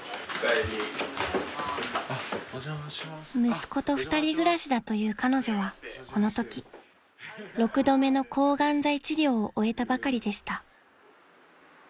［息子と２人暮らしだという彼女はこのとき６度目の抗がん剤治療を終えたばかりでした］